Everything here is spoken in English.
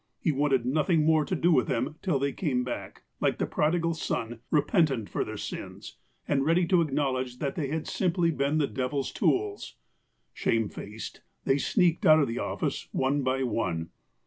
He wanted nothing more to do with them till they came back, like the prodigal son, repentant for their sins, and ready to acknowledge that they had simply been the devil's tools. Shamefaced, they sneaked out of the office, one by one.